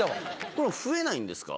これは増えないんですか？